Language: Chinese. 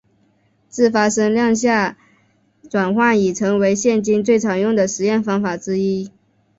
自发参量下转换已成为现今最常用的实验方法之一。